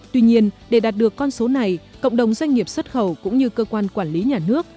tuy nhiên để đạt được con số này cộng đồng doanh nghiệp xuất khẩu cũng như cơ quan quản lý nhà nước